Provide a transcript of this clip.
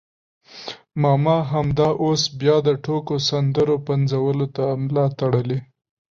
ماما همدا اوس بیا د ټوکو سندرو پنځولو ته ملا تړلې.